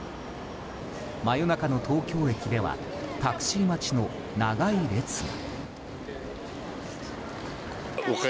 真夜中の東京駅ではタクシー待ちの長い列が。